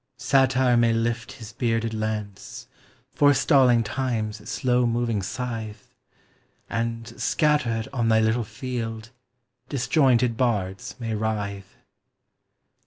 Satire may lift his bearded lance, Forestalling Time's slow moving scythe, And, scattered on thy little field, Disjointed bards may writhe.